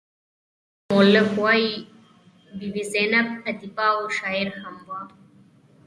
د پټې خزانې مولف وايي بي بي زینب ادیبه او شاعره هم وه.